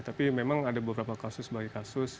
tapi memang ada beberapa kasus sebagai kasus